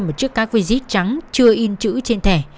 một chiếc cái quý giít trắng chưa in chữ trên thẻ